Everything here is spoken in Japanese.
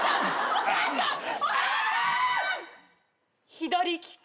左利き。